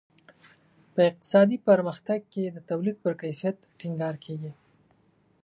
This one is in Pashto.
په اقتصادي پرمختګ کې د تولید پر کیفیت ټینګار کیږي.